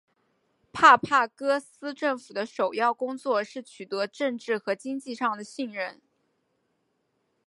帕帕戈斯政府的首要工作是取得政治和经济上的信任。